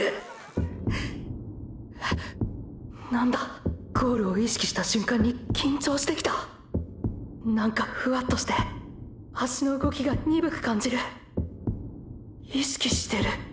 え何だ⁉ゴールを意識した瞬間に緊張してきた⁉なんかフワッとして足の動きが鈍く感じる意識してる？